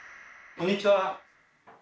こんにちは！